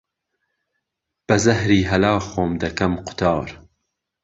به زههری ههلا خۆم دهکهم قوتار